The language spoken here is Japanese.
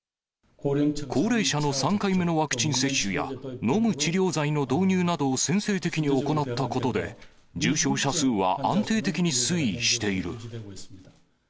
高齢者の３回目のワクチン接種や、飲む治療剤の導入などを先制的に行ったことで、重症者数は安定的に推移している。